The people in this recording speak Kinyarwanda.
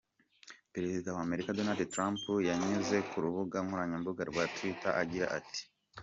Perezida wa Amerika Donald Trump yanyuze ku rubuga nkoranyambaga rwa Twitter agira ati:.